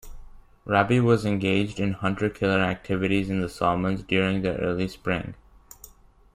"Raby" was engaged in hunter-killer activities in the Solomons during the early spring.